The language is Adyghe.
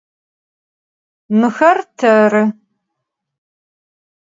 Mıxer terı.